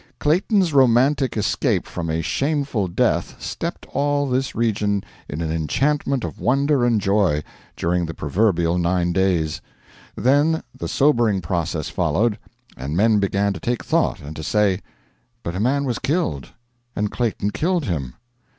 Clayton's romantic escape from a shameful death steeped all this region in an enchantment of wonder and joy during the proverbial nine days. Then the sobering process followed, and men began to take thought, and to say: 'But a man was killed, and Clayton killed him.'